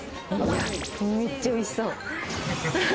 めっちゃおいしそう！